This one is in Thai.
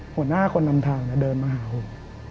หัวหน้าคนนำทางเดินมาหาผม